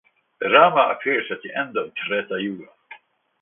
Rama appears at the end of "Treta Yuga".